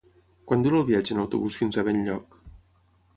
Quant dura el viatge en autobús fins a Benlloc?